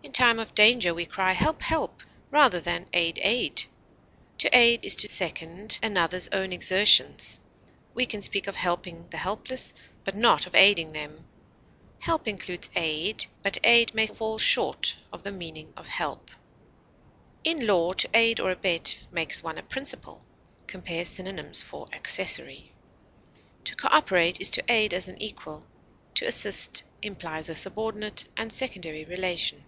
In time of danger we cry "help! help!" rather than "aid! aid!" To aid is to second another's own exertions. We can speak of helping the helpless, but not of aiding them. Help includes aid, but aid may fall short of the meaning of help. In law to aid or abet makes one a principal. (Compare synonyms for ACCESSORY.) To cooperate is to aid as an equal; to assist implies a subordinate and secondary relation.